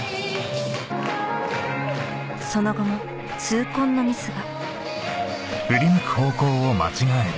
その後も痛恨のミスが